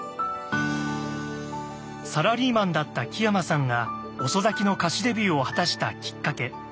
サラリーマンだった木山さんが遅咲きの歌手デビューを果たしたきっかけ。